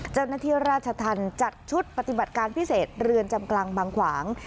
เจ้าหน้าที่ราชธรรมจัดชุดปฏิบัติการพิเศษเรือนจำกลางบางขวาง